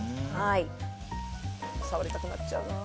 触りたくなっちゃうな。